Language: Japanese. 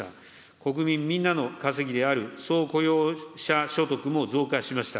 国民みんなの稼ぎである総雇用者所得も増加しました。